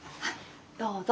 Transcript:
どうぞ。